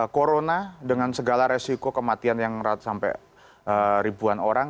corona dengan segala resiko kematian yang sampai ribuan orang